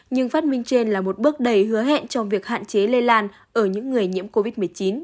nhưng phát minh trên là một bước đầy hứa hẹn trong việc hạn chế lây lan ở những người nhiễm covid một mươi chín